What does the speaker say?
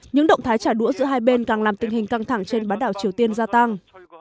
những động thái trả đũa giữa hai bên càng làm tình hình căng thẳng trên bán đảo triều tiên gia tăng